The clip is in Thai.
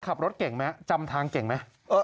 ขับรถเก่งไหมจำทางเก่งไหม